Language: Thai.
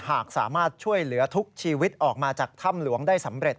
หากสามารถช่วยเหลือทุกชีวิตออกมาจากถ้ำหลวงได้สำเร็จ